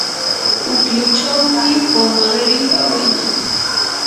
pukyuchawmi wamanripa winan.